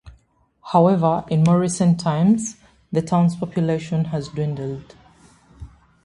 However, in more recent times the town's population has dwindled.